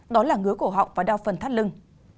đó là ngứa cổ họng và đa phần thắt lưng